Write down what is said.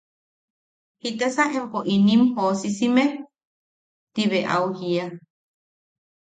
–¿Jitasa empo inim joosisime?– ti bea au jiia.